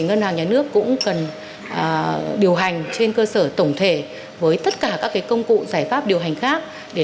ngân hàng nhà nước việt nam nguyễn thị hồng đã trả lời chất vấn đại biểu quốc hội các nhóm vấn đề